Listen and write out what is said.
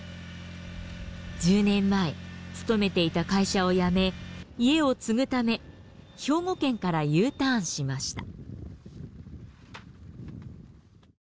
１０年前勤めていた会社を辞め家を継ぐため兵庫県からＵターンしました。